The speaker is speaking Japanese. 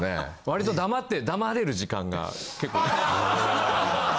割と黙って黙れる時間が結構。